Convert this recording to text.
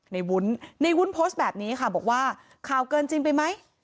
วุ้นในวุ้นโพสต์แบบนี้ค่ะบอกว่าข่าวเกินจริงไปไหม